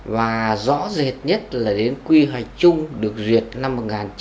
và rõ rệt nhất là đến quy hoạch chung được duyệt năm một nghìn chín trăm chín mươi tám